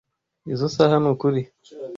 Izoi saha nukuri.